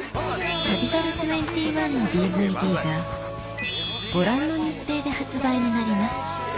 『旅猿２１』のＤＶＤがご覧の日程で発売になります